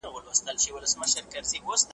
ویل خدایه تا ویل زه دي پالمه .